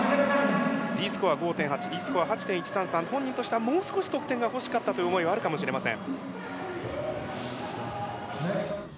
Ｄスコア５．８Ｅスコア８．１３３本人としてはもう少し得点が欲しかったという思いはあるかもしれません。